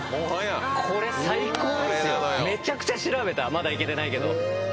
まだ行けてないけど。